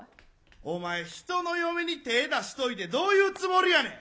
お前、人の嫁に手え出しといてどういうつもりやねん。